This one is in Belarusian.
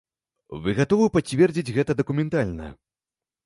Вы гатовы пацвердзіць гэта дакументальна?